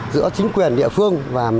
giữa chính quyền địa phương và